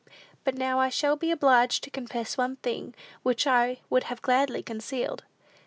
But now I shall be obliged to confess one thing, which I would have gladly concealed.